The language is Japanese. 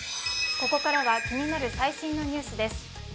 ここからは気になる最新のニュースです。